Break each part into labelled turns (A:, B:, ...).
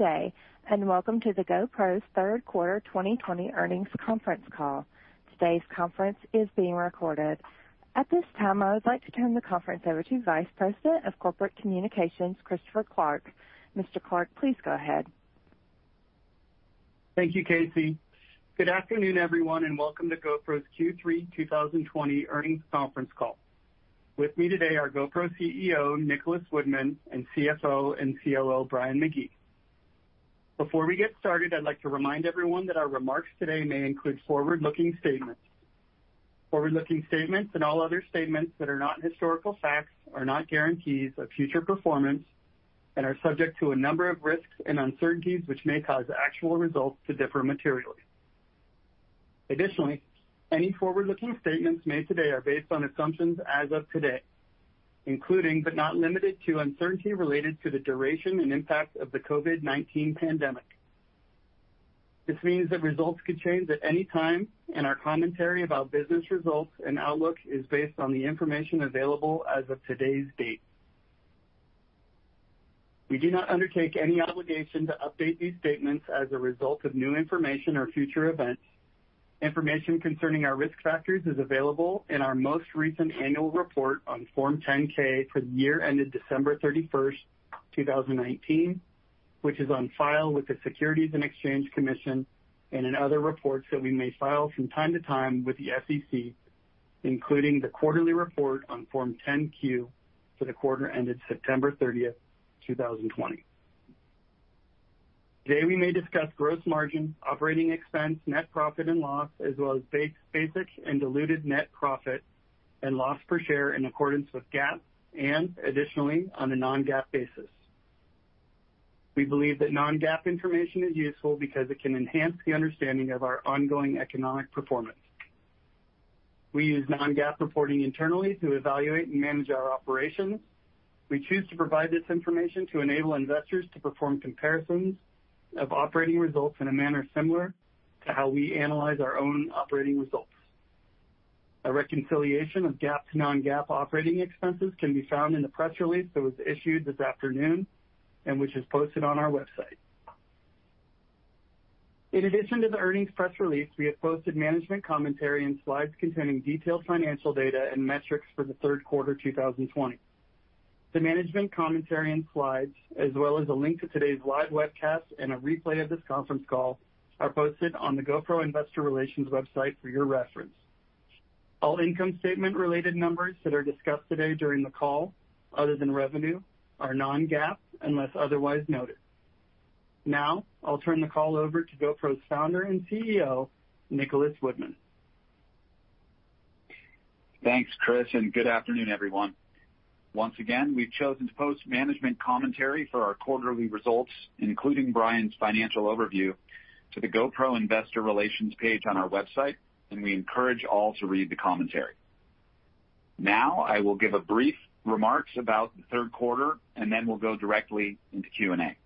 A: Good day, and welcome to GoPro's Third Quarter 2020 Earnings Conference Call. Today's conference is being recorded. At this time, I would like to turn the conference over to Vice President of Corporate Communications, Christopher Clark. Mr. Clark, please go ahead.
B: Thank you, Casey. Good afternoon, everyone, and welcome to GoPro's Q3 2020 earnings conference call. With me today are GoPro CEO, Nicholas Woodman, and CFO and COO, Brian McGee. Before we get started, I'd like to remind everyone that our remarks today may include forward-looking statements. Forward-looking statements and all other statements that are not historical facts are not guarantees of future performance and are subject to a number of risks and uncertainties which may cause actual results to differ materially. Additionally, any forward-looking statements made today are based on assumptions as of today, including but not limited to uncertainty related to the duration and impact of the COVID-19 pandemic. This means that results could change at any time, and our commentary about business results and outlook is based on the information available as of today's date. We do not undertake any obligation to update these statements as a result of new information or future events. Information concerning our risk factors is available in our most recent annual report on Form 10-K for the year ended December 31, 2019, which is on file with the U.S. Securities and Exchange Commission and in other reports that we may file from time to time with the SEC, including the quarterly report on Form 10-Q for the quarter ended September 30, 2020. Today, we may discuss gross margins, operating expense, net profit and loss, as well as basic and diluted net profit and loss per share in accordance with GAAP and, additionally, on a non-GAAP basis. We believe that non-GAAP information is useful because it can enhance the understanding of our ongoing economic performance. We use non-GAAP reporting internally to evaluate and manage our operations. We choose to provide this information to enable investors to perform comparisons of operating results in a manner similar to how we analyze our own operating results. A reconciliation of GAAP to non-GAAP operating expenses can be found in the press release that was issued this afternoon and which is posted on our website. In addition to the earnings press release, we have posted management commentary and slides containing detailed financial data and metrics for the third quarter 2020. The management commentary and slides, as well as a link to today's live webcast and a replay of this conference call, are posted on the GoPro Investor Relations website for your reference. All income statement-related numbers that are discussed today during the call, other than revenue, are non-GAAP unless otherwise noted. Now, I'll turn the call over to GoPro's founder and CEO, Nicholas Woodman.
C: Thanks, Chris, and good afternoon, everyone. Once again, we've chosen to post management commentary for our quarterly results, including Brian's financial overview, to the GoPro Investor Relations page on our website, and we encourage all to read the commentary. Now, I will give a brief remarks about the third quarter, and then we'll go directly into Q&A.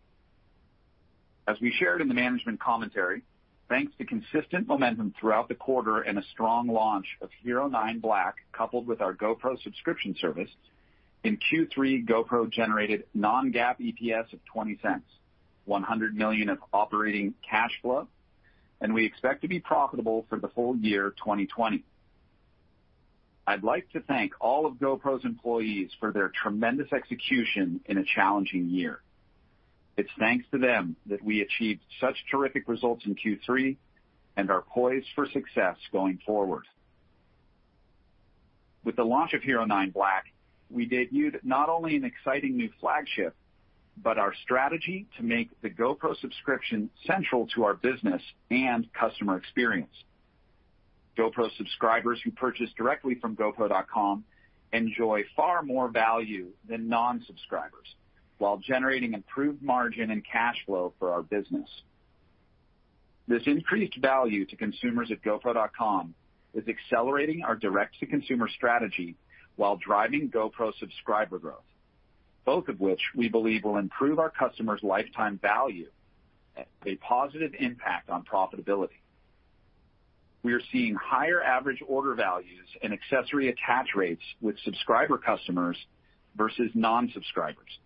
C: As we shared in the management commentary, thanks to consistent momentum throughout the quarter and a strong launch of HERO9 Black coupled with our GoPro subscription service, in Q3, GoPro generated non-GAAP EPS of 0.20, $100 million of operating cash flow, and we expect to be profitable for the full year 2020. I'd like to thank all of GoPro's employees for their tremendous execution in a challenging year. It's thanks to them that we achieved such terrific results in Q3 and are poised for success going forward. With the launch of HERO9 Black, we debuted not only an exciting new flagship, but our strategy to make the GoPro subscription central to our business and customer experience. GoPro subscribers who purchase directly from GoPro.com enjoy far more value than non-subscribers, while generating improved margin and cash flow for our business. This increased value to consumers at GoPro.com is accelerating our direct-to-consumer strategy while driving GoPro subscriber growth, both of which we believe will improve our customers' lifetime value and have a positive impact on profitability. We are seeing higher average order values and accessory attach rates with subscriber customers versus non-subscribers,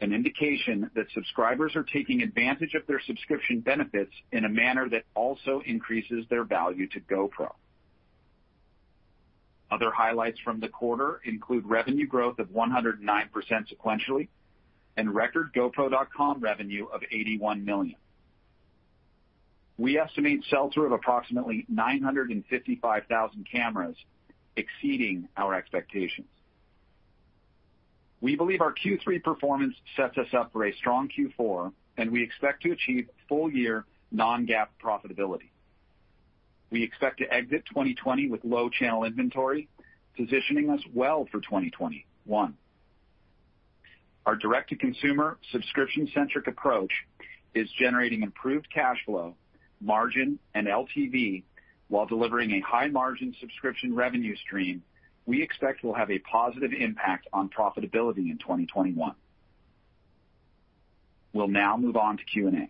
C: an indication that subscribers are taking advantage of their subscription benefits in a manner that also increases their value to GoPro. Other highlights from the quarter include revenue growth of 109% sequentially and record GoPro.com revenue of 81 million. We estimate sales through of approximately 955,000 cameras exceeding our expectations. We believe our Q3 performance sets us up for a strong Q4, and we expect to achieve full-year non-GAAP profitability. We expect to exit 2020 with low channel inventory, positioning us well for 2021. Our direct-to-consumer subscription-centric approach is generating improved cash flow, margin, and LTV while delivering a high-margin subscription revenue stream we expect will have a positive impact on profitability in 2021. We'll now move on to Q&A.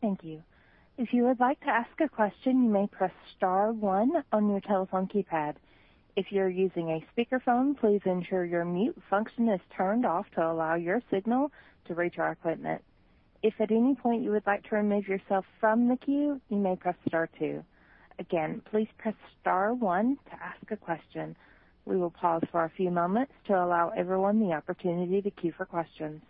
A: Thank you. If you would like to ask a question, you may press star one on your telephone keypad. If you're using a speakerphone, please ensure your mute function is turned off to allow your signal to reach our equipment. If at any point you would like to remove yourself from the queue, you may press star two. Again, please press star one to ask a question. We will pause for a few moments to allow everyone the opportunity to queue for questions.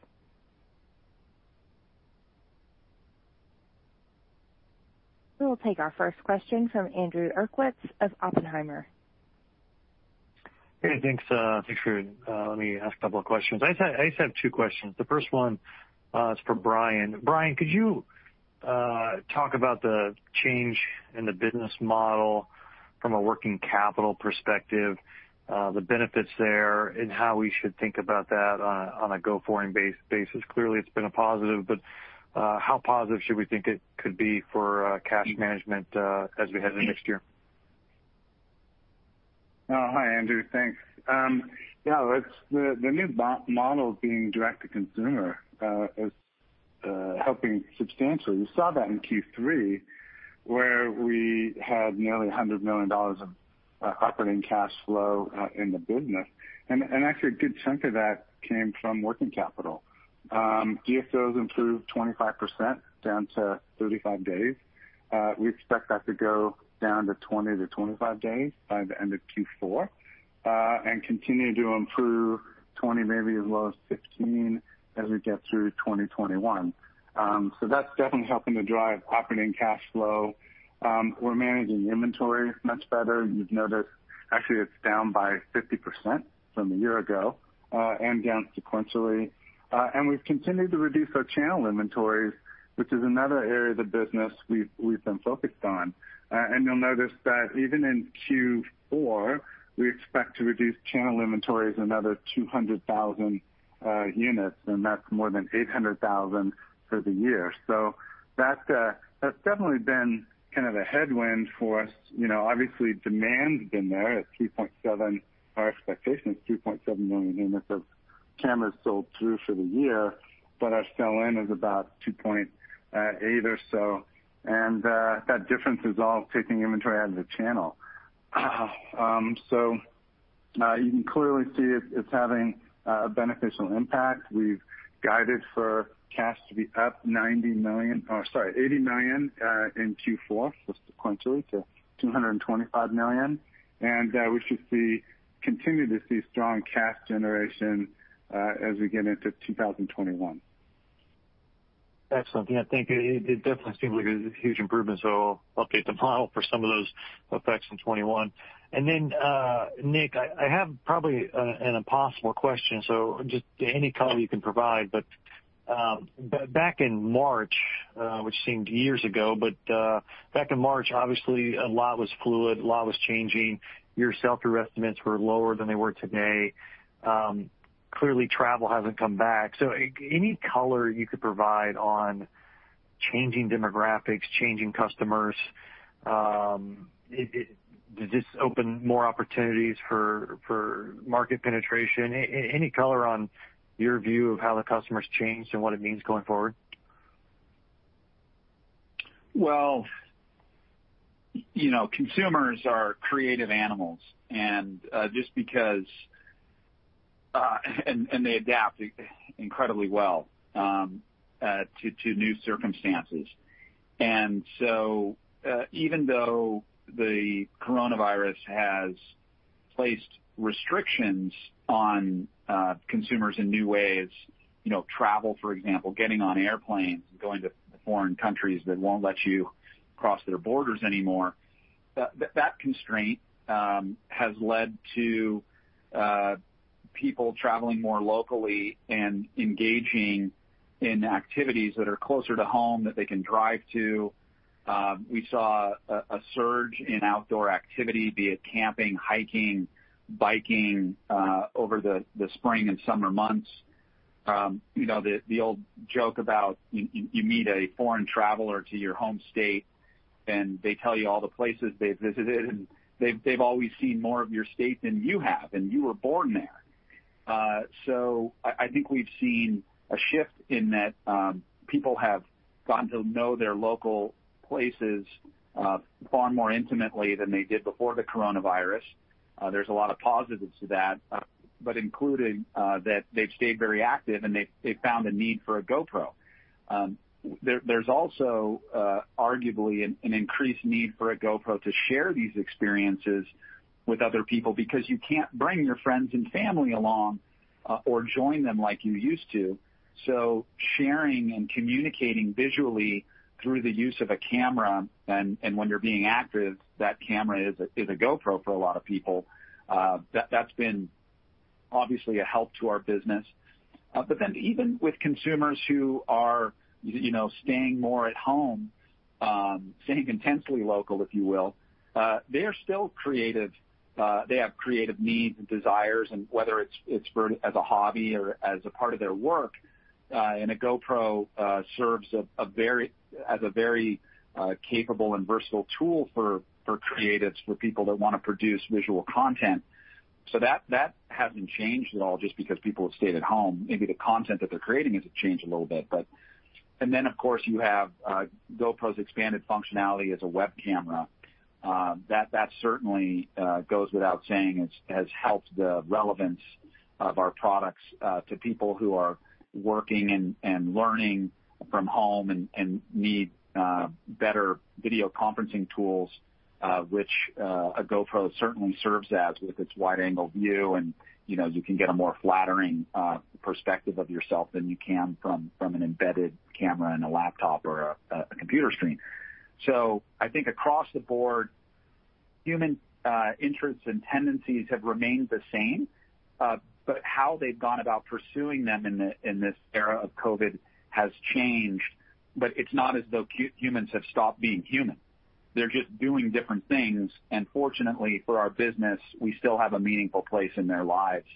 A: We will take our first question from Andrew Urquhart of Oppenheimer.
D: Hey, thanks for letting me ask a couple of questions. I just have two questions. The first one is for Brian. Brian, could you talk about the change in the business model from a working capital perspective, the benefits there, and how we should think about that on a GoPro basis? Clearly, it's been a positive, but how positive should we think it could be for cash management as we head into next year?
E: Hi, Andrew. Thanks. Yeah, the new model being direct-to-consumer is helping substantially. We saw that in Q3, where we had nearly $100 million of operating cash flow in the business. Actually, a good chunk of that came from working capital. DSOs improved 25% down to 35 days. We expect that to go down to 20-25 days by the end of Q4 and continue to improve, 20, maybe as low as 15 as we get through 2021. That is definitely helping to drive operating cash flow. We are managing inventory much better. You have noticed, actually, it is down by 50% from a year ago and down sequentially. We have continued to reduce our channel inventories, which is another area of the business we have been focused on. You will notice that even in Q4, we expect to reduce channel inventories another 200,000 units, and that is more than 800,000 for the year. That's definitely been kind of a headwind for us. Obviously, demand has been there at 3.7. Our expectation is 3.7 million units of cameras sold through for the year, but our sell-in is about 2.8 or so. That difference is all taking inventory out of the channel. You can clearly see it's having a beneficial impact. We've guided for cash to be up $90 million or, sorry, $80 million in Q4, sequentially to $225 million. We should continue to see strong cash generation as we get into 2021.
D: Excellent. Yeah, thank you. It definitely seems like a huge improvement, so we'll update the model for some of those effects in 2021. Nick, I have probably an impossible question, so just any color you can provide. Back in March, which seemed years ago, back in March, obviously, a lot was fluid, a lot was changing. Your sell-through estimates were lower than they are today. Clearly, travel hasn't come back. Any color you could provide on changing demographics, changing customers? Does this open more opportunities for market penetration? Any color on your view of how the customer has changed and what it means going forward?
C: You know, consumers are creative animals, and just because they adapt incredibly well to new circumstances. And so even though the coronavirus has placed restrictions on consumers in new ways, you know, travel, for example, getting on airplanes, going to foreign countries that will not let you cross their borders anymore, that constraint has led to people traveling more locally and engaging in activities that are closer to home that they can drive to. We saw a surge in outdoor activity, be it camping, hiking, biking, over the spring and summer months. You know, the old joke about you meet a foreign traveler to your home state, and they tell you all the places they have visited, and they have always seen more of your state than you have, and you were born there. I think we've seen a shift in that people have gotten to know their local places far more intimately than they did before the coronavirus. There's a lot of positives to that, but included that they've stayed very active and they've found a need for a GoPro. There's also arguably an increased need for a GoPro to share these experiences with other people because you can't bring your friends and family along or join them like you used to. Sharing and communicating visually through the use of a camera, and when you're being active, that camera is a GoPro for a lot of people. That's been obviously a help to our business. Even with consumers who are staying more at home, staying intensely local, if you will, they are still creative. They have creative needs and desires, and whether it's as a hobby or as a part of their work, and a GoPro serves as a very capable and versatile tool for creatives, for people that want to produce visual content. That hasn't changed at all just because people have stayed at home. Maybe the content that they're creating has changed a little bit. Of course, you have GoPro's expanded functionality as a web camera. That certainly goes without saying has helped the relevance of our products to people who are working and learning from home and need better video conferencing tools, which a GoPro certainly serves as with its wide-angle view, and you can get a more flattering perspective of yourself than you can from an embedded camera in a laptop or a computer screen. I think across the board, human interests and tendencies have remained the same, but how they've gone about pursuing them in this era of COVID has changed. It is not as though humans have stopped being human. They're just doing different things. Fortunately for our business, we still have a meaningful place in their lives.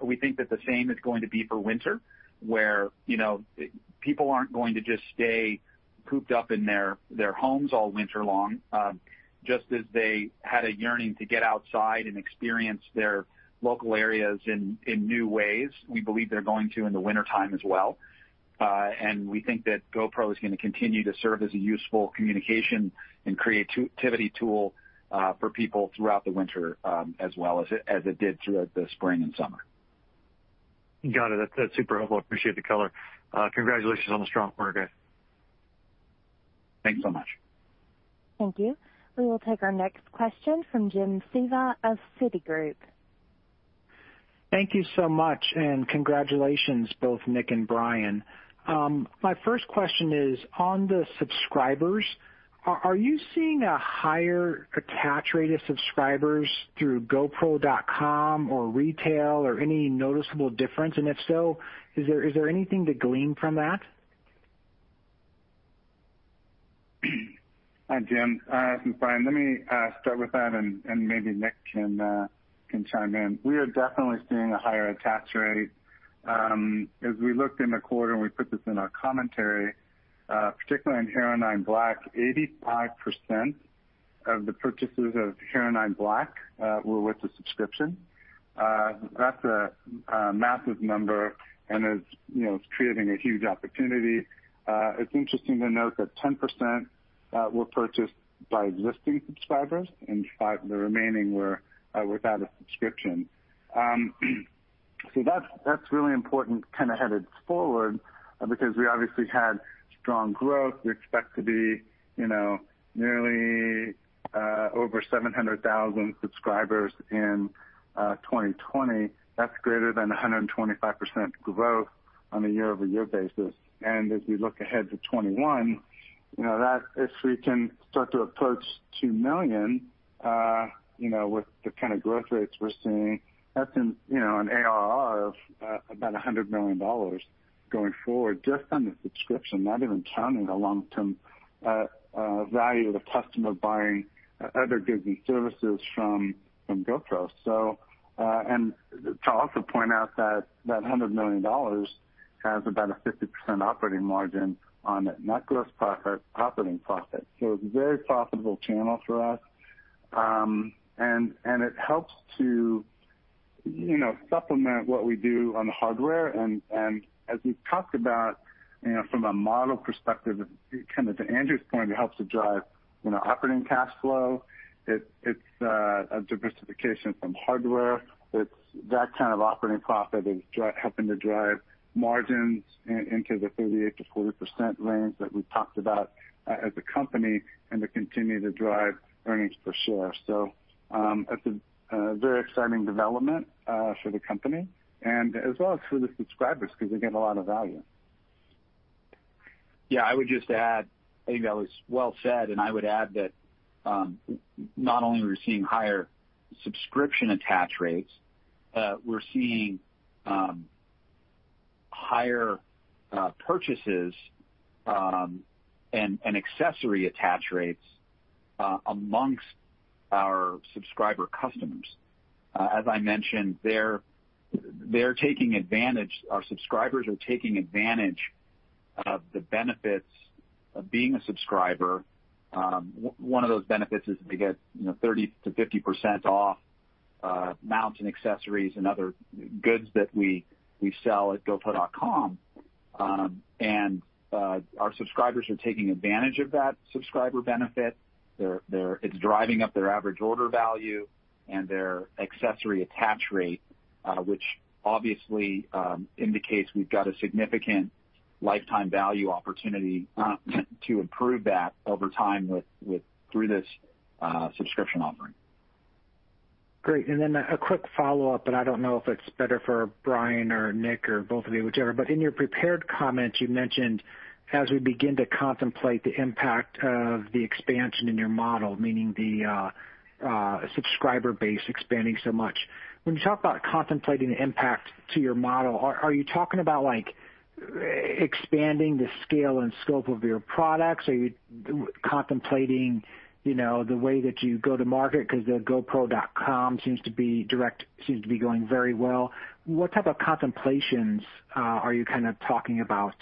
C: We think that the same is going to be for winter, where people are not going to just stay cooped up in their homes all winter long, just as they had a yearning to get outside and experience their local areas in new ways. We believe they're going to in the wintertime as well. We think that GoPro is going to continue to serve as a useful communication and creativity tool for people throughout the winter as well as it did throughout the spring and summer.
D: Got it. That's super helpful. I appreciate the color. Congratulations on the strong quarter, guys.
C: Thanks so much.
A: Thank you. We will take our next question from Jim Suva of Citigroup.
F: Thank you so much, and congratulations, both Nick and Brian. My first question is, on the subscribers, are you seeing a higher attach rate of subscribers through GoPro.com or retail or any noticeable difference? If so, is there anything to glean from that?
E: Hi, Jim. This is Brian. Let me start with that, and maybe Nick can chime in. We are definitely seeing a higher attach rate. As we looked in the quarter and we put this in our commentary, particularly on HERO9 Black, 85% of the purchases of HERO9 Black were with a subscription. That's a massive number and is creating a huge opportunity. It's interesting to note that 10% were purchased by existing subscribers, and the remaining were without a subscription. That's really important kind of headed forward because we obviously had strong growth. We expect to be nearly over 700,000 subscribers in 2020. That's greater than 125% growth on a year-over-year basis. As we look ahead to 2021, if we can start to approach 2 million with the kind of growth rates we're seeing, that's an ARR of about $100 million going forward just on the subscription, not even counting the long-term value of the customer buying other goods and services from GoPro. To also point out, that $100 million has about a 50% operating margin on net gross operating profit. It is a very profitable channel for us. It helps to supplement what we do on the hardware. As we've talked about, from a model perspective, kind of to Andrew's point, it helps to drive operating cash flow. It's a diversification from hardware. That kind of operating profit is helping to drive margins into the 38-40% range that we've talked about as a company and to continue to drive earnings per share. It is a very exciting development for the company and as well as for the subscribers because they get a lot of value.
C: Yeah, I would just add, I think that was well said, and I would add that not only are we seeing higher subscription attach rates, we're seeing higher purchases and accessory attach rates amongst our subscriber customers. As I mentioned, they're taking advantage. Our subscribers are taking advantage of the benefits of being a subscriber. One of those benefits is they get 30-50% off mount and accessories and other goods that we sell at GoPro.com. And our subscribers are taking advantage of that subscriber benefit. It's driving up their average order value and their accessory attach rate, which obviously indicates we've got a significant lifetime value opportunity to improve that over time through this subscription offering.
F: Great. A quick follow-up, but I don't know if it's better for Brian or Nick or both of you, whichever, but in your prepared comments, you mentioned as we begin to contemplate the impact of the expansion in your model, meaning the subscriber base expanding so much, when you talk about contemplating the impact to your model, are you talking about expanding the scale and scope of your products? Are you contemplating the way that you go to market because GoPro.com seems to be going very well? What type of contemplations are you kind of talking about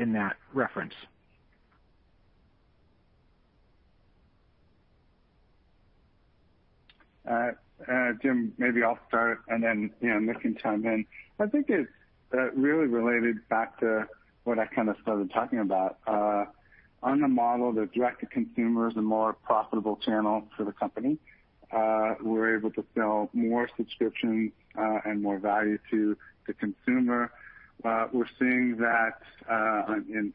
F: in that reference?
E: Jim, maybe I'll start, and then Nick can chime in. I think it's really related back to what I kind of started talking about. On the model, the direct-to-consumer is a more profitable channel for the company. We're able to sell more subscriptions and more value to the consumer. We're seeing that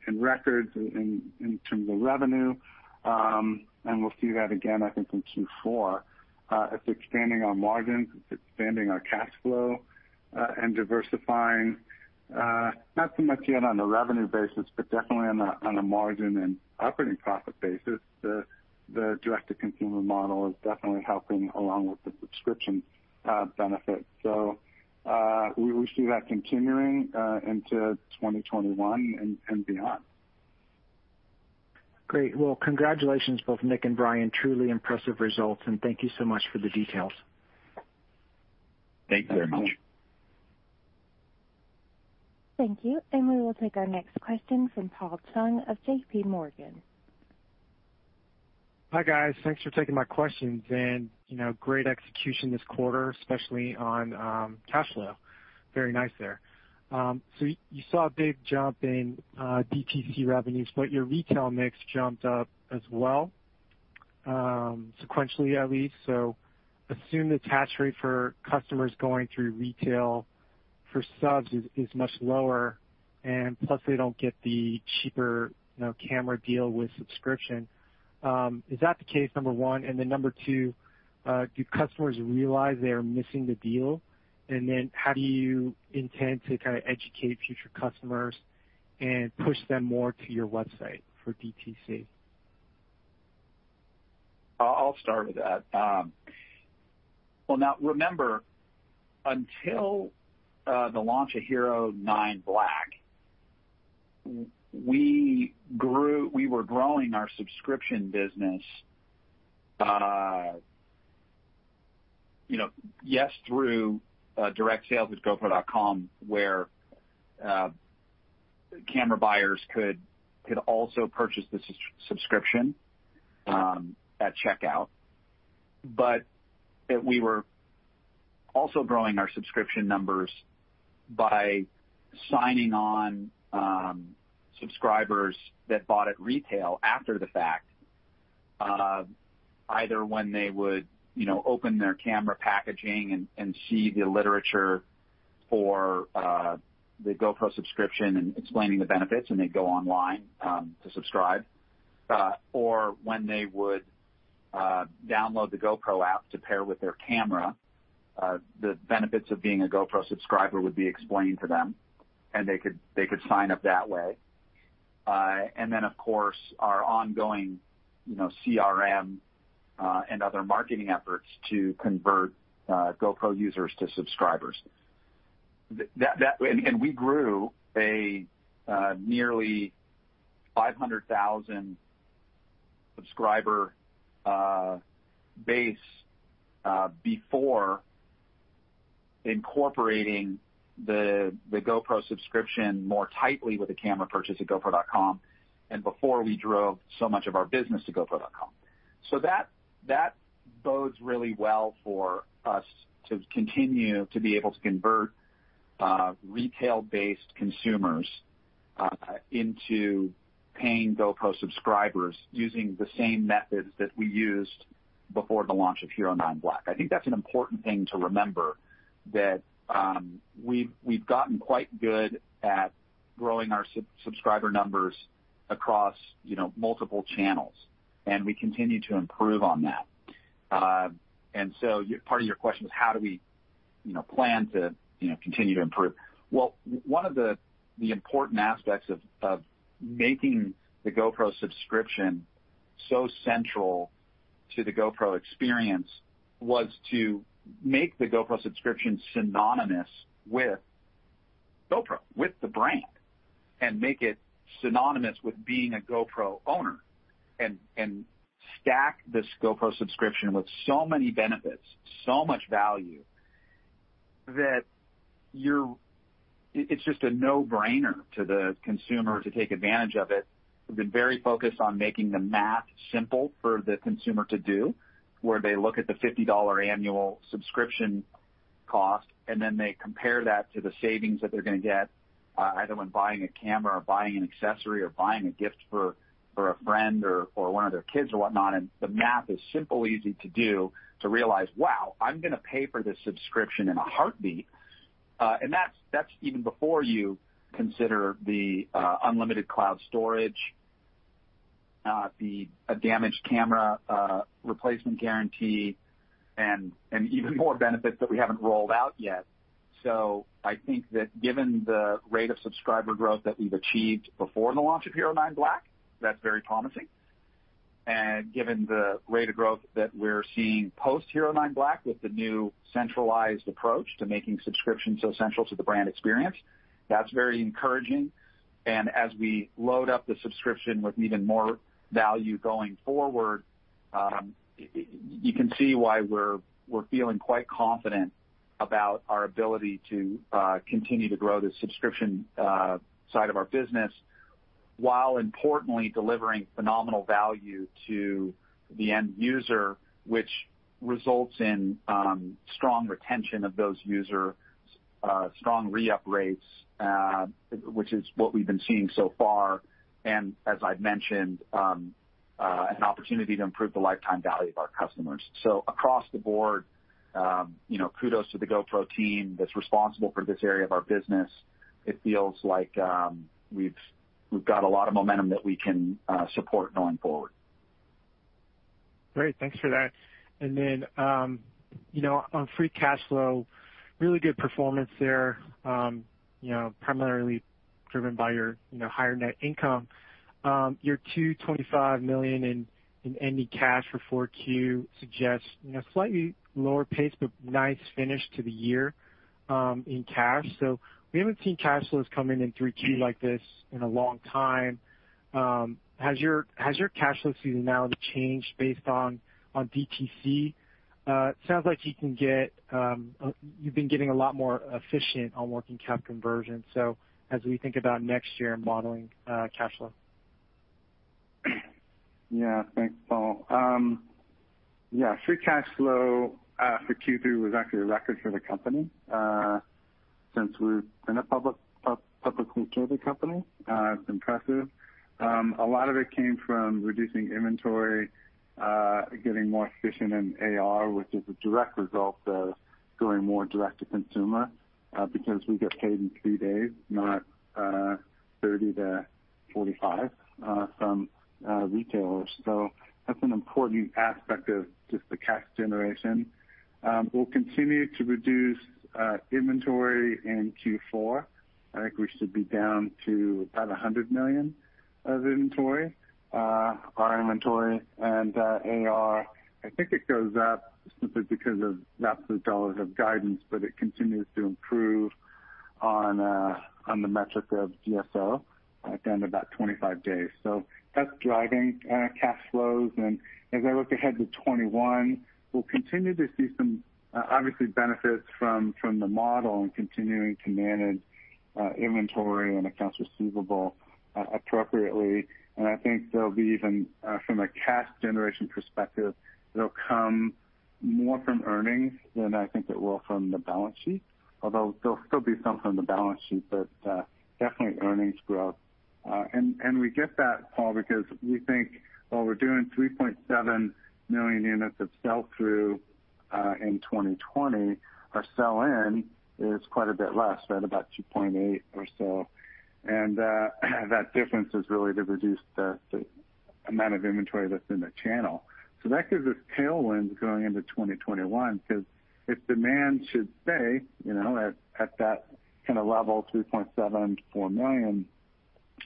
E: in records in terms of revenue, and we'll see that again, I think, in Q4. It's expanding our margins, it's expanding our cash flow, and diversifying, not so much yet on a revenue basis, but definitely on a margin and operating profit basis. The direct-to-consumer model is definitely helping along with the subscription benefit. We see that continuing into 2021 and beyond.
F: Great. Congratulations, both Nick and Brian. Truly impressive results, and thank you so much for the details.
E: Thank you very much.
A: Thank you. We will take our next question from Paul Chung of JPMorgan.
G: Hi guys. Thanks for taking my questions. Great execution this quarter, especially on cash flow. Very nice there. You saw a big jump in DTC revenues, but your retail mix jumped up as well, sequentially at least. I assume the attach rate for customers going through retail for subs is much lower, and plus they do not get the cheaper camera deal with subscription. Is that the case, number one? Number two, do customers realize they are missing the deal? How do you intend to kind of educate future customers and push them more to your website for DTC?
C: I'll start with that. Now remember, until the launch of HERO9 Black, we were growing our subscription business, yes, through direct sales with GoPro.com, where camera buyers could also purchase the subscription at checkout. We were also growing our subscription numbers by signing on subscribers that bought at retail after the fact, either when they would open their camera packaging and see the literature for the GoPro subscription and explaining the benefits, and they'd go online to subscribe, or when they would download the GoPro app to pair with their camera. The benefits of being a GoPro subscriber would be explained to them, and they could sign up that way. Of course, our ongoing CRM and other marketing efforts to convert GoPro users to subscribers. We grew a nearly 500,000 subscriber base before incorporating the GoPro subscription more tightly with a camera purchase at GoPro.com and before we drove so much of our business to GoPro.com. That bodes really well for us to continue to be able to convert retail-based consumers into paying GoPro subscribers using the same methods that we used before the launch of HERO9 Black. I think that's an important thing to remember, that we've gotten quite good at growing our subscriber numbers across multiple channels, and we continue to improve on that. Part of your question was, how do we plan to continue to improve? One of the important aspects of making the GoPro subscription so central to the GoPro experience was to make the GoPro subscription synonymous with GoPro, with the brand, and make it synonymous with being a GoPro owner, and stack this GoPro subscription with so many benefits, so much value, that it's just a no-brainer to the consumer to take advantage of it. We've been very focused on making the math simple for the consumer to do, where they look at the $50 annual subscription cost, and then they compare that to the savings that they're going to get either when buying a camera or buying an accessory or buying a gift for a friend or one of their kids or whatnot. The math is simple, easy to do to realize, "Wow, I'm going to pay for this subscription in a heartbeat." That's even before you consider the unlimited cloud storage, the damaged camera replacement guarantee, and even more benefits that we haven't rolled out yet. I think that given the rate of subscriber growth that we've achieved before the launch of HERO9 Black, that's very promising. Given the rate of growth that we're seeing post HERO9 Black with the new centralized approach to making subscription so central to the brand experience, that's very encouraging. As we load up the subscription with even more value going forward, you can see why we're feeling quite confident about our ability to continue to grow the subscription side of our business while importantly delivering phenomenal value to the end user, which results in strong retention of those users, strong re-up rates, which is what we've been seeing so far, and as I've mentioned, an opportunity to improve the lifetime value of our customers. Across the board, kudos to the GoPro team that's responsible for this area of our business. It feels like we've got a lot of momentum that we can support going forward.
G: Great. Thanks for that. Then on free cash flow, really good performance there, primarily driven by your higher net income. Your $225 million in ending cash for 4Q suggests a slightly lower pace, but nice finish to the year in cash. We have not seen cash flows come in in 3Q like this in a long time. Has your cash flow seasonality changed based on DTC? Sounds like you have been getting a lot more efficient on working cap conversion. As we think about next year and modeling cash flow.
E: Yeah, thanks, Paul. Yeah, free cash flow for Q2 was actually a record for the company since we've been a publicly traded company. It's impressive. A lot of it came from reducing inventory, getting more efficient in AR, which is a direct result of going more direct to consumer because we get paid in three days, not 30-45 from retailers. That's an important aspect of just the cash generation. We'll continue to reduce inventory in Q4. I think we should be down to about $100 million of inventory, our inventory, and AR. I think it goes up simply because of absolute dollars of guidance, but it continues to improve on the metric of DSO down to about 25 days. That's driving cash flows. As I look ahead to 2021, we'll continue to see some, obviously, benefits from the model and continuing to manage inventory and accounts receivable appropriately. I think there'll be even, from a cash generation perspective, there'll come more from earnings than I think it will from the balance sheet, although there'll still be some from the balance sheet, but definitely earnings growth. We get that, Paul, because we think while we're doing 3.7 million units of sell-through in 2020, our sell-in is quite a bit less, right, about 2.8 or so. That difference is really to reduce the amount of inventory that's in the channel. That gives us tailwinds going into 2021 because if demand should stay at that kind of level, 3.7-4 million,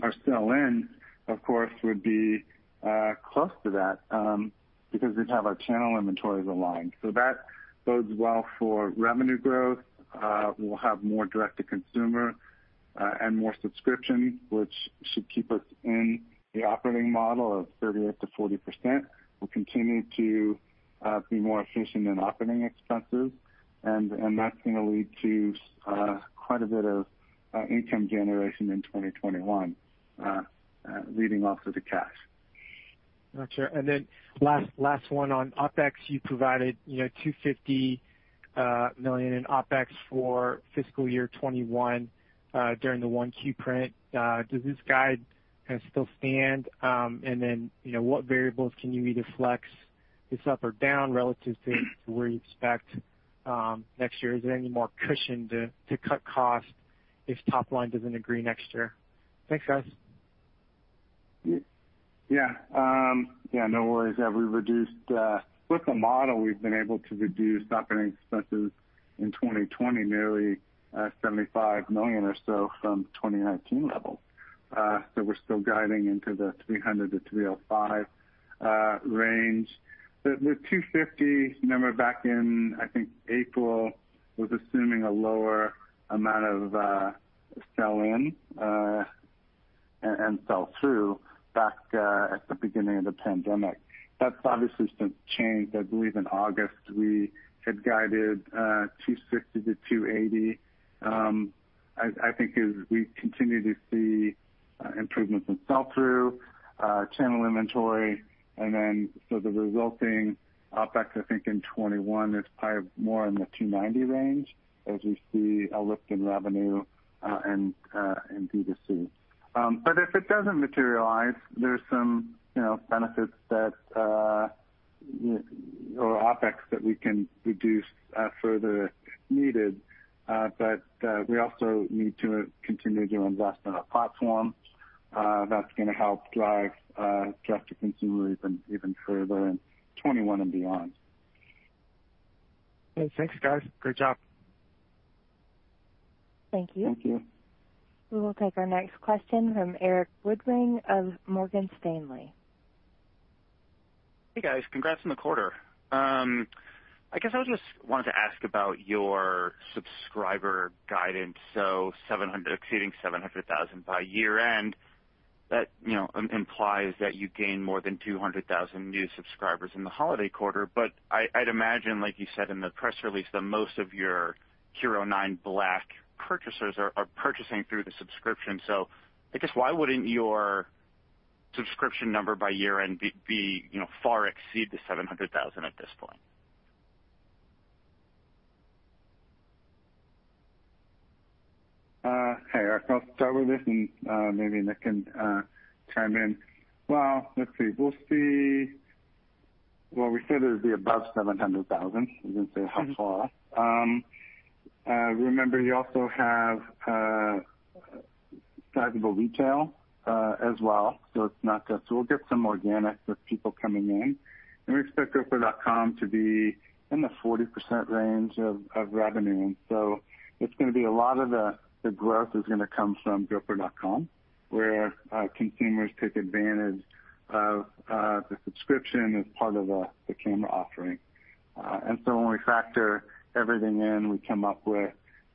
E: our sell-in, of course, would be close to that because we'd have our channel inventories aligned. That bodes well for revenue growth. We'll have more direct-to-consumer and more subscription, which should keep us in the operating model of 38-40%. We'll continue to be more efficient in operating expenses, and that's going to lead to quite a bit of income generation in 2021, leading off to the cash.
G: Gotcha. Last one on OpEx, you provided $250 million in OpEx for fiscal year 2021 during the 1Q print. Does this guide kind of still stand? What variables can you either flex this up or down relative to where you expect next year? Is there any more cushion to cut costs if top line does not agree next year? Thanks, guys.
E: Yeah. Yeah, no worries. Yeah, we've reduced with the model, we've been able to reduce operating expenses in 2020, nearly $75 million or so from 2019 levels. So we're still guiding into the $300-$305 range. The $250, remember back in, I think, April, was assuming a lower amount of sell-in and sell-through back at the beginning of the pandemic. That's obviously since changed. I believe in August, we had guided $260-$280. I think we continue to see improvements in sell-through, channel inventory, and then so the resulting OpEx, I think in 2021, is probably more in the $290 range as we see a lift in revenue and DTC. If it doesn't materialize, there's some benefits or OpEx that we can reduce further if needed. We also need to continue to invest in a platform that's going to help drive direct-to-consumer even further in 2021 and beyond.
G: Thanks, guys. Great job.
A: Thank you.
E: Thank you.
A: We will take our next question from Erik Woodring of Morgan Stanley.
H: Hey, guys. Congrats on the quarter. I guess I just wanted to ask about your subscriber guidance. Exceeding 700,000 by year-end, that implies that you gain more than 200,000 new subscribers in the holiday quarter. I'd imagine, like you said in the press release, that most of your HERO9 Black purchasers are purchasing through the subscription. I guess why wouldn't your subscription number by year-end far exceed the 700,000 at this point?
E: Hey, I'll start with this and maybe Nick can chime in. Let's see. We said it would be above 700,000. We didn't say how far. Remember, you also have sizable retail as well. It's not just we'll get some organic with people coming in. We expect GoPro.com to be in the 40% range of revenue. It's going to be a lot of the growth is going to come from GoPro.com, where consumers take advantage of the subscription as part of the camera offering. When we factor everything in, we come up with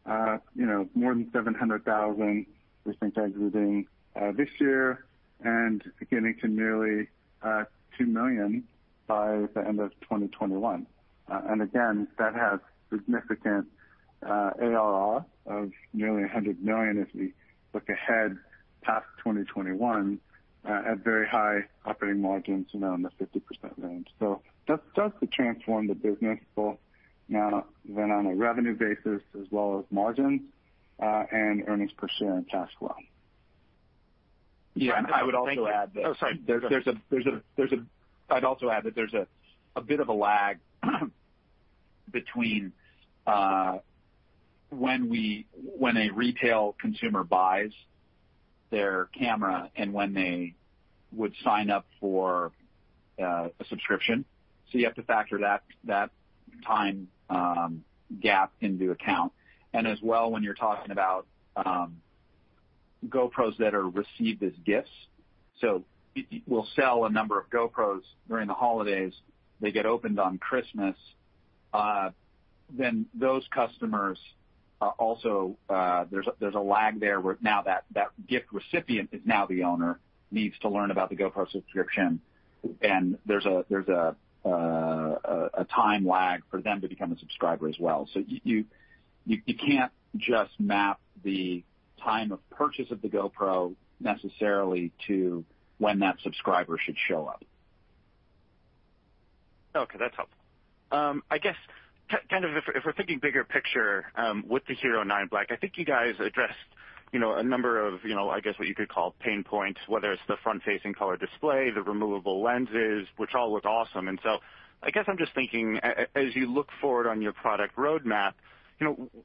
E: more than 700,000, which I think is exceeding this year and getting to nearly 2 million by the end of 2021. That has significant ARR of nearly $100 million if we look ahead past 2021 at very high operating margins around the 50% range. That does transform the business both now then on a revenue basis as well as margins and earnings per share and cash flow.
C: Yeah, I would also add that.
G: Oh, sorry.
C: I'd also add that there's a bit of a lag between when a retail consumer buys their camera and when they would sign up for a subscription. You have to factor that time gap into account. As well, when you're talking about GoPros that are received as gifts, we'll sell a number of GoPros during the holidays. They get opened on Christmas. Those customers also, there's a lag there where now that gift recipient is now the owner, needs to learn about the GoPro subscription, and there's a time lag for them to become a subscriber as well. You can't just map the time of purchase of the GoPro necessarily to when that subscriber should show up.
H: Okay, that's helpful. I guess kind of if we're thinking bigger picture with the HERO9 Black, I think you guys addressed a number of, I guess, what you could call pain points, whether it's the front-facing color display, the removable lenses, which all look awesome. I guess I'm just thinking, as you look forward on your product roadmap,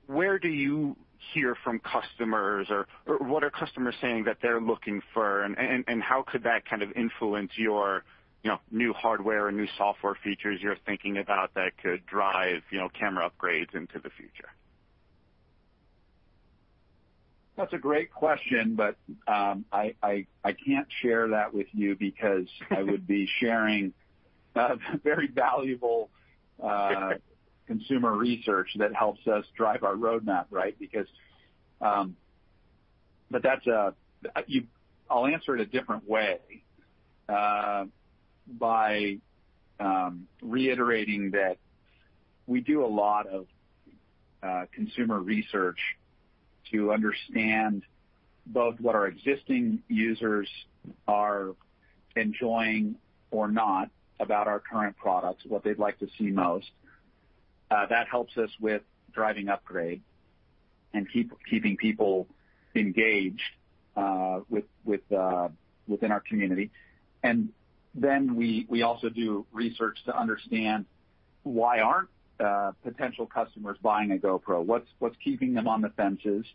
H: where do you hear from customers or what are customers saying that they're looking for? How could that kind of influence your new hardware and new software features you're thinking about that could drive camera upgrades into the future?
C: That's a great question, but I can't share that with you because I would be sharing very valuable consumer research that helps us drive our roadmap, right? I'll answer it a different way by reiterating that we do a lot of consumer research to understand both what our existing users are enjoying or not about our current products, what they'd like to see most. That helps us with driving upgrade and keeping people engaged within our community. We also do research to understand why aren't potential customers buying a GoPro? What's keeping them on the fences?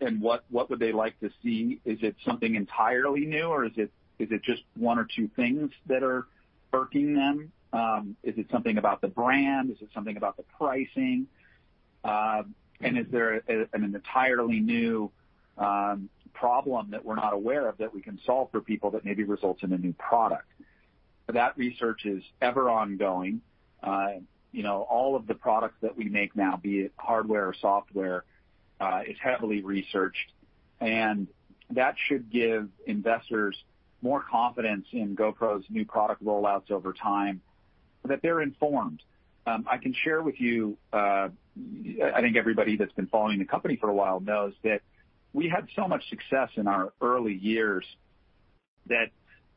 C: What would they like to see? Is it something entirely new, or is it just one or two things that are irking them? Is it something about the brand? Is it something about the pricing? Is there an entirely new problem that we're not aware of that we can solve for people that maybe results in a new product? That research is ever ongoing. All of the products that we make now, be it hardware or software, is heavily researched. That should give investors more confidence in GoPro's new product rollouts over time so that they're informed. I can share with you I think everybody that's been following the company for a while knows that we had so much success in our early years that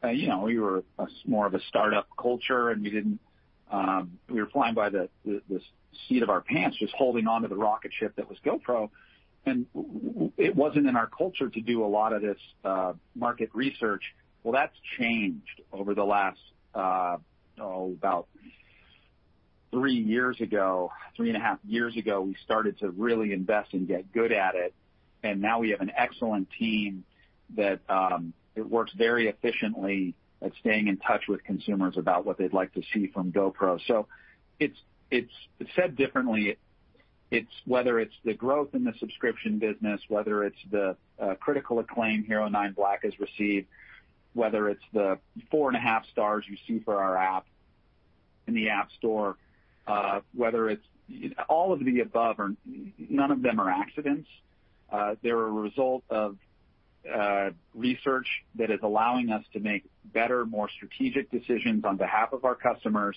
C: we were more of a startup culture, and we were flying by the seat of our pants, just holding on to the rocket ship that was GoPro. It wasn't in our culture to do a lot of this market research. That's changed over the last, oh, about three years ago, three and a half years ago, we started to really invest and get good at it. Now we have an excellent team that works very efficiently at staying in touch with consumers about what they'd like to see from GoPro. So said differently, whether it's the growth in the subscription business, whether it's the critical acclaim HERO9 Black has received, whether it's the four and a half stars you see for our app in the App Store, whether it's all of the above, none of them are accidents. They're a result of research that is allowing us to make better, more strategic decisions on behalf of our customers,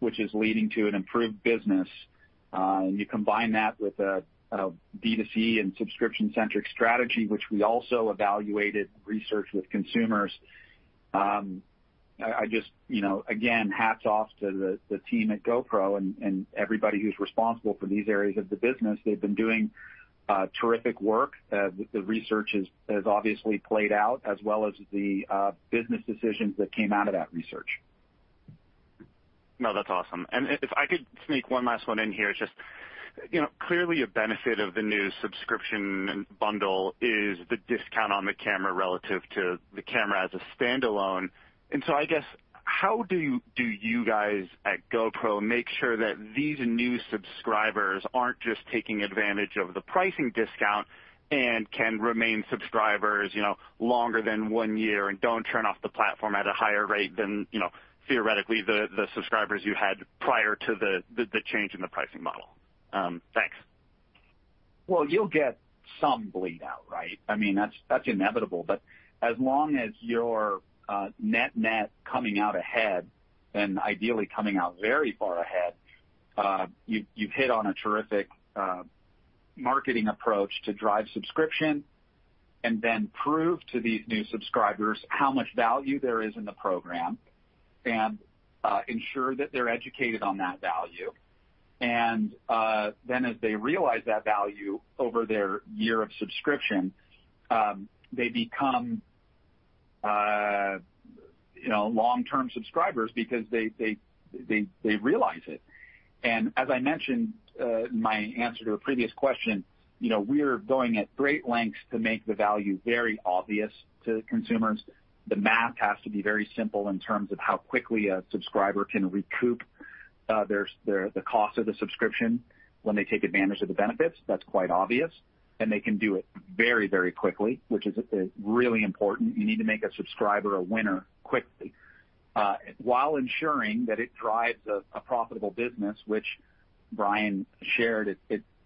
C: which is leading to an improved business. You combine that with a B2C and subscription-centric strategy, which we also evaluated and researched with consumers. I just, again, hats off to the team at GoPro and everybody who's responsible for these areas of the business. They've been doing terrific work. The research has obviously played out as well as the business decisions that came out of that research.
H: No, that's awesome. If I could sneak one last one in here, it's just clearly a benefit of the new subscription bundle is the discount on the camera relative to the camera as a standalone. I guess, how do you guys at GoPro make sure that these new subscribers aren't just taking advantage of the pricing discount and can remain subscribers longer than one year and don't turn off the platform at a higher rate than theoretically the subscribers you had prior to the change in the pricing model? Thanks.
C: You will get some bleed out, right? I mean, that's inevitable. As long as you're net-net coming out ahead and ideally coming out very far ahead, you've hit on a terrific marketing approach to drive subscription and then prove to these new subscribers how much value there is in the program and ensure that they're educated on that value. As they realize that value over their year of subscription, they become long-term subscribers because they realize it. As I mentioned in my answer to a previous question, we're going at great lengths to make the value very obvious to consumers. The math has to be very simple in terms of how quickly a subscriber can recoup the cost of the subscription when they take advantage of the benefits. That's quite obvious. They can do it very, very quickly, which is really important. You need to make a subscriber a winner quickly while ensuring that it drives a profitable business, which Brian shared.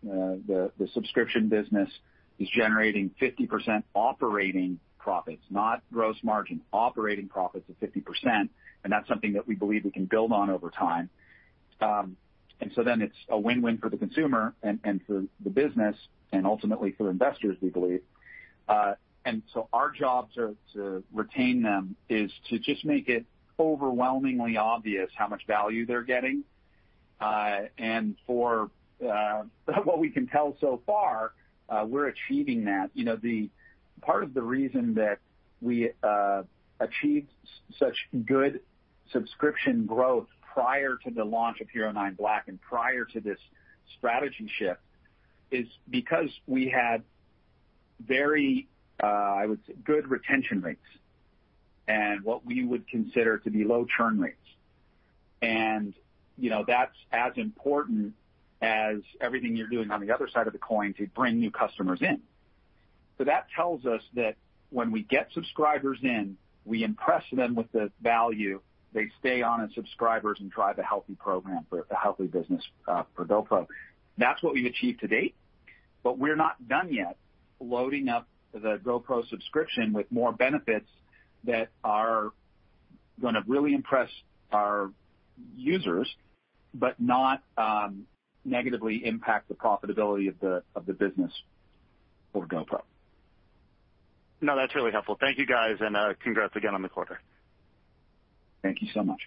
C: The subscription business is generating 50% operating profits, not gross margin, operating profits of 50%. That is something that we believe we can build on over time. It is a win-win for the consumer and for the business and ultimately for investors, we believe. Our job to retain them is to just make it overwhelmingly obvious how much value they are getting. For what we can tell so far, we are achieving that. Part of the reason that we achieved such good subscription growth prior to the launch of HERO9 Black and prior to this strategy shift is because we had very, I would say, good retention rates and what we would consider to be low churn rates. That is as important as everything you are doing on the other side of the coin to bring new customers in. That tells us that when we get subscribers in, we impress them with the value. They stay on as subscribers and drive a healthy program for a healthy business for GoPro. That is what we have achieved to date. We are not done yet loading up the GoPro subscription with more benefits that are going to really impress our users but not negatively impact the profitability of the business or GoPro.
H: No, that's really helpful. Thank you, guys. And congrats again on the quarter.
C: Thank you so much.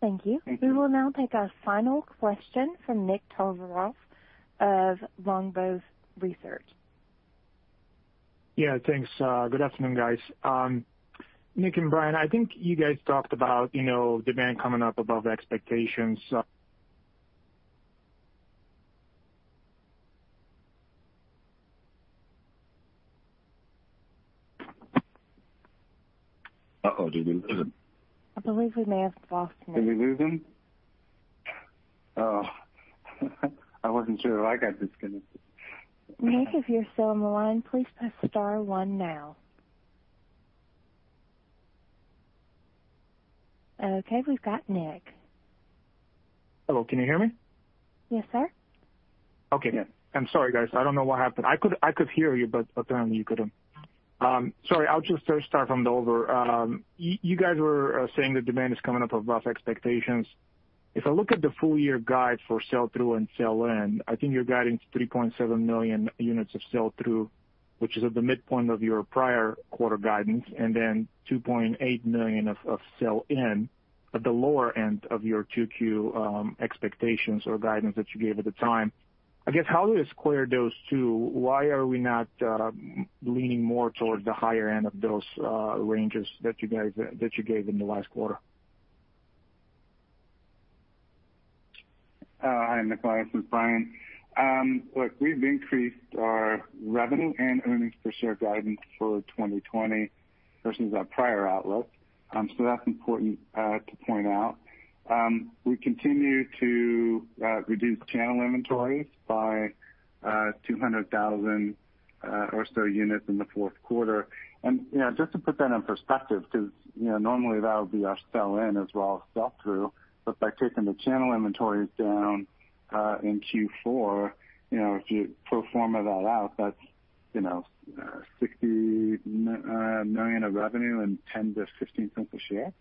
A: Thank you. We will now take a final question from Nick Tovarov of Longbow Research.
I: Yeah, thanks. Good afternoon, guys. Nick and Brian, I think you guys talked about demand coming up above expectations.
E: Oh, did we lose him?
A: I believe we may have lost Nick.
E: Did we lose him?
I: Oh, I wasn't sure if I got disconnected.
A: Nick, if you're still on the line, please press star one now. Okay, we've got Nick.
I: Hello, can you hear me?
A: Yes, sir.
I: Okay. I'm sorry, guys. I don't know what happened. I could hear you, but apparently you couldn't. Sorry, I'll just start from the over. You guys were saying the demand is coming up above expectations. If I look at the full-year guide for sell-through and sell-in, I think you're guiding 3.7 million units of sell-through, which is at the midpoint of your prior quarter guidance, and then 2.8 million of sell-in at the lower end of your QQ expectations or guidance that you gave at the time. I guess, how do you square those two? Why are we not leaning more towards the higher end of those ranges that you gave in the last quarter?
E: Hi, I'm Nick Lawrence with Brian. Look, we've increased our revenue and earnings per share guidance for 2020 versus our prior outlook. That's important to point out. We continue to reduce channel inventories by 200,000 or so units in the fourth quarter. Just to put that in perspective, because normally that would be our sell-in as well as sell-through, by taking the channel inventories down in Q4, if you proform that out, that's $60 million of revenue and $0.10-$0.15 a share.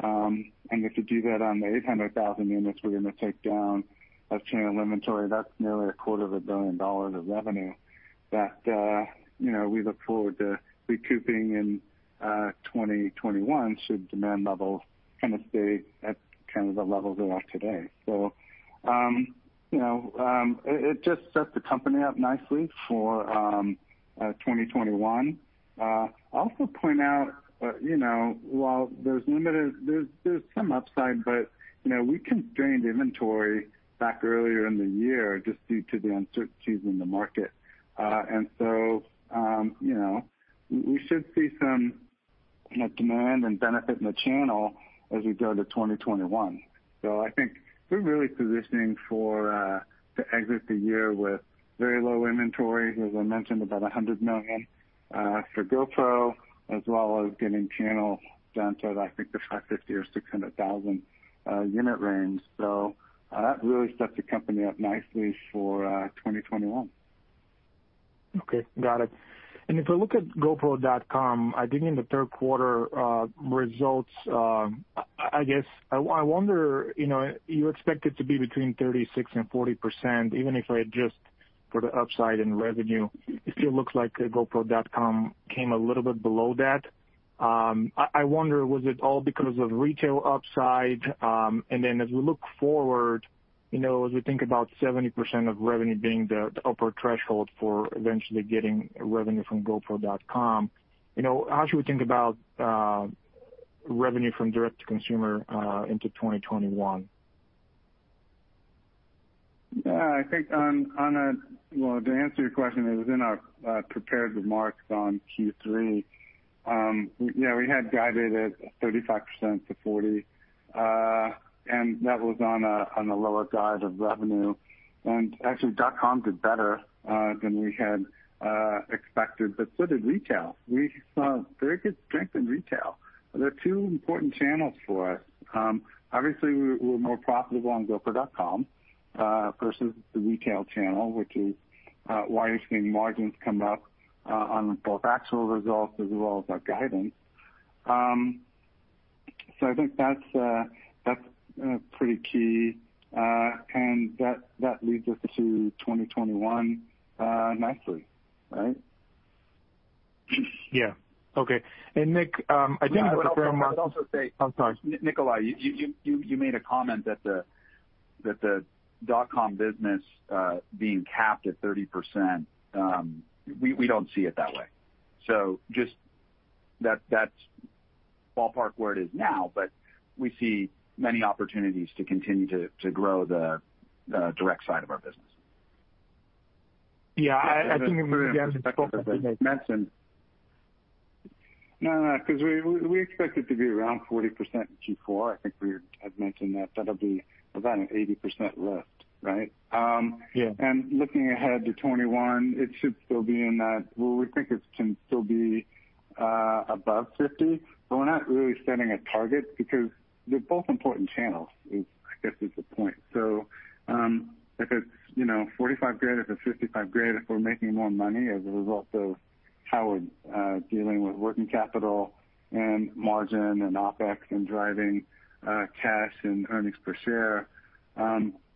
E: If you do that on the 800,000 units we're going to take down of channel inventory, that's nearly a quarter of a billion dollars of revenue that we look forward to recouping in 2021 should demand levels kind of stay at the levels they are today. It just sets the company up nicely for 2021. I'll also point out, while there's some upside, we constrained inventory back earlier in the year just due to the uncertainties in the market. We should see some demand and benefit in the channel as we go to 2021. I think we're really positioning to exit the year with very low inventory, as I mentioned, about $100 million for GoPro, as well as getting channel down to, I think, the 550,000-600,000 unit range. That really sets the company up nicely for 2021.
I: Okay, got it. If I look at GoPro.com, I think in the third quarter results, I guess I wonder you expected to be between 36-40%, even if it just for the upside in revenue, it still looks like GoPro.com came a little bit below that. I wonder, was it all because of retail upside? As we look forward, as we think about 70% of revenue being the upper threshold for eventually getting revenue from GoPro.com, how should we think about revenue from direct-to-consumer into 2021?
E: Yeah, I think on a, to answer your question, it was in our prepared remarks on Q3. Yeah, we had guided at 35%-40%, and that was on a lower guide of revenue. Actually, dot-com did better than we had expected, but so did retail. We saw very good strength in retail. There are two important channels for us. Obviously, we're more profitable on GoPro.com versus the retail channel, which is why you're seeing margins come up on both actual results as well as our guidance. I think that's pretty key. That leads us to 2021 nicely, right?
I: Yeah. Okay. Nick, I think I want to throw a—I'm sorry.
C: Tovarov, you made a comment that the dot-com business being capped at 30%, we don't see it that way. Just that's ballpark where it is now, but we see many opportunities to continue to grow the direct side of our business.
I: Yeah, I think we—
E: No, no, because we expected to be around 40% in Q4. I think we had mentioned that that'll be about an 80% lift, right? Looking ahead to 2021, it should still be in that—well, we think it can still be above 50, but we're not really setting a target because they're both important channels, I guess is the point. If it's $45,000, if it's $55,000, if we're making more money as a result of how we're dealing with working capital and margin and OpEx and driving cash and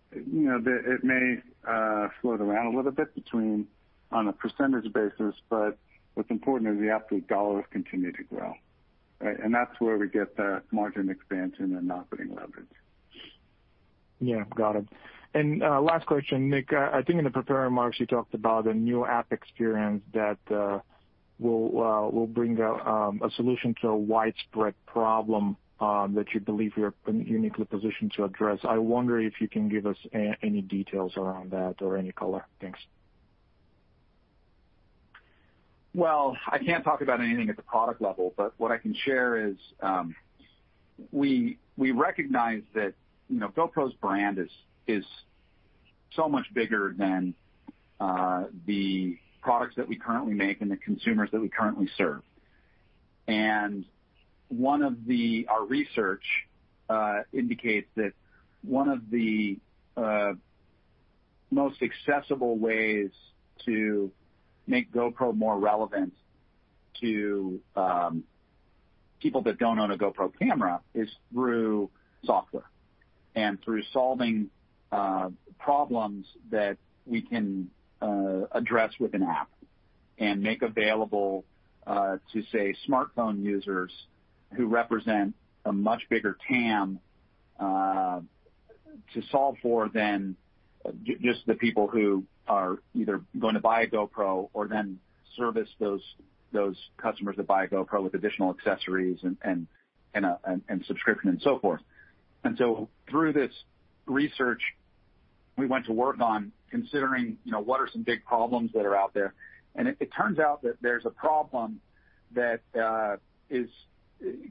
E: earnings per share, it may slow the round a little bit on a percentage basis, but what's important is the absolute dollars continue to grow, right? That's where we get the margin expansion and operating leverage.
I: Yeah, got it. Last question, Nick, I think in the prepared remarks, you talked about a new app experience that will bring a solution to a widespread problem that you believe you're uniquely positioned to address. I wonder if you can give us any details around that or any color. Thanks.
C: I can't talk about anything at the product level, but what I can share is we recognize that GoPro's brand is so much bigger than the products that we currently make and the consumers that we currently serve. One of our research indicates that one of the most accessible ways to make GoPro more relevant to people that don't own a GoPro camera is through software and through solving problems that we can address with an app and make available to, say, smartphone users who represent a much bigger TAM to solve for than just the people who are either going to buy a GoPro or then service those customers that buy a GoPro with additional accessories and subscription and so forth. Through this research, we went to work on considering what are some big problems that are out there. It turns out that there's a problem that is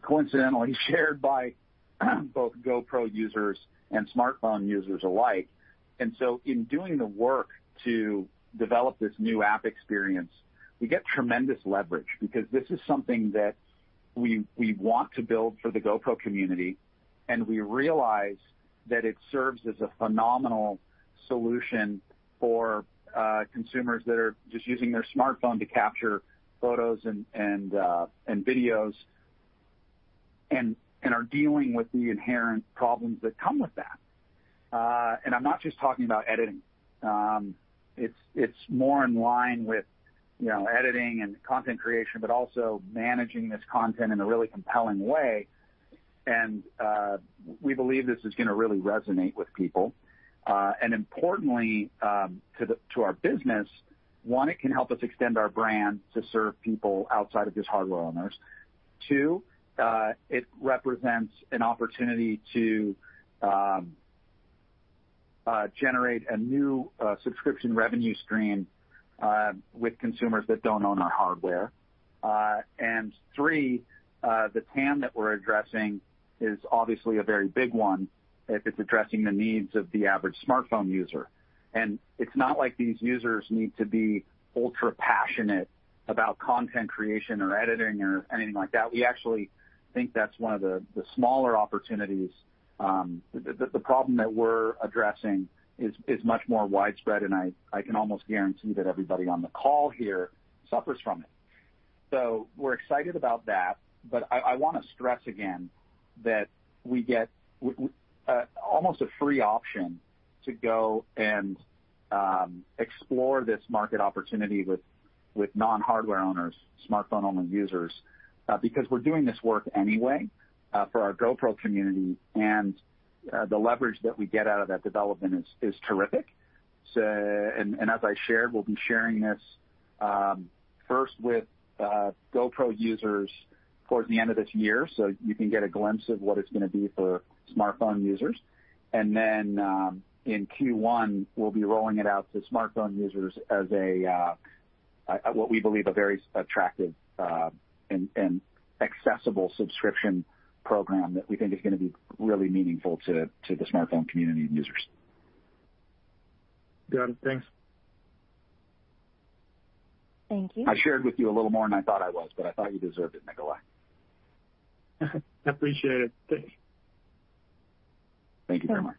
C: coincidentally shared by both GoPro users and smartphone users alike. In doing the work to develop this new app experience, we get tremendous leverage because this is something that we want to build for the GoPro community. We realize that it serves as a phenomenal solution for consumers that are just using their smartphone to capture photos and videos and are dealing with the inherent problems that come with that. I'm not just talking about editing. It's more in line with editing and content creation, but also managing this content in a really compelling way. We believe this is going to really resonate with people. Importantly to our business, one, it can help us extend our brand to serve people outside of just hardware owners. Two, it represents an opportunity to generate a new subscription revenue stream with consumers that don't own our hardware. Three, the TAM that we're addressing is obviously a very big one if it's addressing the needs of the average smartphone user. It's not like these users need to be ultra passionate about content creation or editing or anything like that. We actually think that's one of the smaller opportunities. The problem that we're addressing is much more widespread, and I can almost guarantee that everybody on the call here suffers from it. We're excited about that, but I want to stress again that we get almost a free option to go and explore this market opportunity with non-hardware owners, smartphone-only users, because we're doing this work anyway for our GoPro community. The leverage that we get out of that development is terrific. As I shared, we'll be sharing this first with GoPro users towards the end of this year so you can get a glimpse of what it's going to be for smartphone users. In Q1, we'll be rolling it out to smartphone users as what we believe a very attractive and accessible subscription program that we think is going to be really meaningful to the smartphone community and users.
I: Got it. Thanks.
A: Thank you.
C: I shared with you a little more, and I thought I was, but I thought you deserved it, Nick Tovarov.
I: I appreciate it. Thanks.
C: Thank you very much.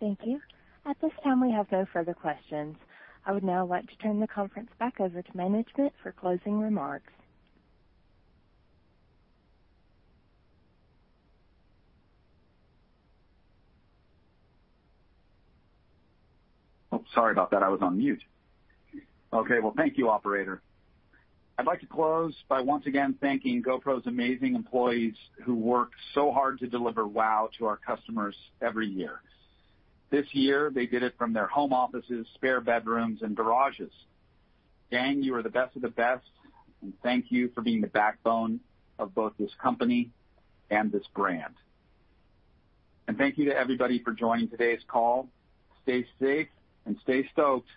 A: Thank you. At this time, we have no further questions. I would now like to turn the conference back over to management for closing remarks.
C: Oh, sorry about that. I was on mute. Thank you, operator. I'd like to close by once again thanking GoPro's amazing employees who work so hard to deliver wow to our customers every year. This year, they did it from their home offices, spare bedrooms, and garages. Dang, you are the best of the best, and thank you for being the backbone of both this company and this brand. Thank you to everybody for joining today's call. Stay safe and stay stoked.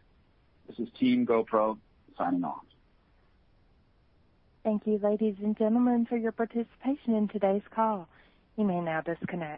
C: This is Team GoPro signing off.
A: Thank you, ladies and gentlemen, for your participation in today's call. You may now disconnect.